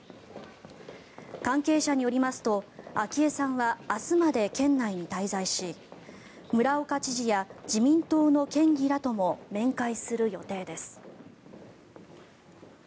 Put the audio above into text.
関係者によりますと昭恵さんは明日まで県内に滞在し村岡知事や自民党の県議らとも面会する予定です。